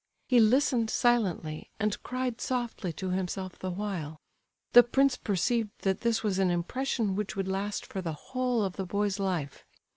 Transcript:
He listened silently, and cried softly to himself the while. The prince perceived that this was an impression which would last for the whole of the boy's life.